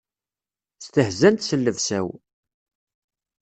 Stehzant s llebsa-w.